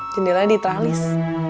jendelanya di tralis